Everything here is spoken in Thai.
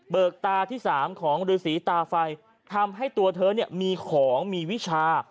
เบิกตาที่๓ของฤษีตาไฟทำให้ตัวเธอมีของมีวิชา